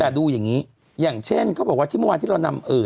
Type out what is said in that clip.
แต่ดูอย่างนี้อย่างเช่นเขาบอกว่าที่เมื่อวานที่เรานำเอ่อ